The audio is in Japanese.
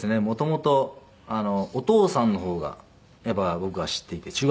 もともとお義父さんの方がやっぱり僕は知っていて。